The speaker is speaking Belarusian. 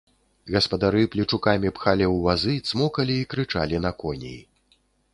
Гаспадары плечукамі пхалі ў вазы, цмокалі і крычалі на коней.